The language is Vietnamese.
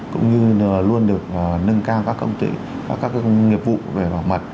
cũng như luôn được nâng cao các công ty các công nghiệp vụ về bảo mật